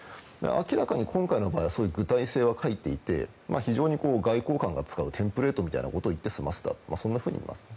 明らかに今回の場合は具体性は欠いていて非常に外交官が使うテンプレートみたいなことを言って済ませたそんなふうに思います。